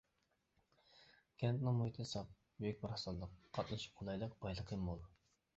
كەنتنىڭ مۇھىتى ساپ، بۈك-باراقسانلىق، قاتنىشى قولايلىق، بايلىقى مول.